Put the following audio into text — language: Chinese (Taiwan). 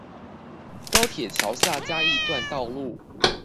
高鐵橋下嘉義段道路